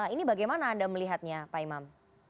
ini bagaimana anda melihatnya pak imam